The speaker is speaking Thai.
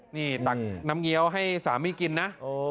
นี่ตักน้ำเงี้ยวให้สามีกินนะ